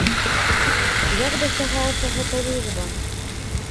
Як дасягаецца гэта лічба?